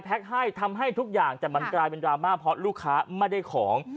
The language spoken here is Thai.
ให้ทำให้ทุกอย่างแต่มันกลายเป็นดราม่าเพราะลูกค้าไม่ได้ของ